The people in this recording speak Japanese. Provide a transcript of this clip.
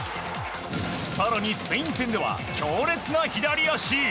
更にスペイン戦では強烈な左足！